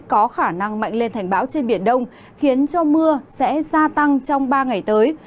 có khả năng mạnh lên thành bão trên biển đông khiến cho mưa sẽ gia tăng trong ba ngày tới